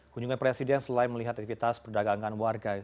kunjungan presiden selain melihat aktivitas perdagangan warga